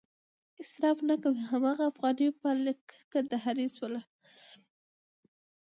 اصراف نه کوي هماغه افغاني پالک، کندهارۍ شوله.